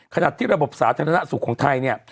ขณะที่ระบบสาธารณสุขของไทยเนี่ย